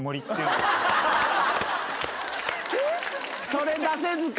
それ出せずか。